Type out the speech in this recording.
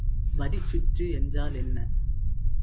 வரிச்சுற்று என்றால் என்ன?